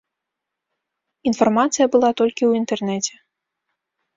Інфармацыя была толькі ў інтэрнэце.